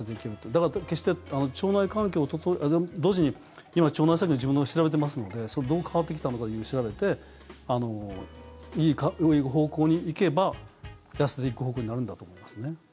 だから決して腸内環境を整え同時に今、腸内細菌を自分のを調べてますのでそれ、どう変わってきたのかを調べていい方向に行けば痩せていく方向になるんだと思いますね。